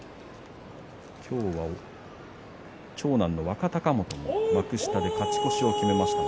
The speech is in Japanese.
今日は長男の若隆元も幕下で勝ち越しを決めました。